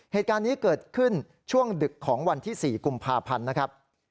เหตุการณ์นี้เกิดขึ้นช่วงดึกของวันที่๔กุมภาพันธ์นะครับ